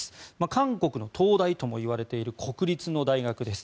韓国の東大ともいわれている国立の大学です。